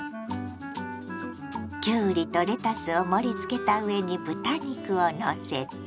きゅうりとレタスを盛り付けた上に豚肉をのせて。